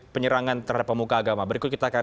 penyerangan terhadap pemuka agama berikut kita akan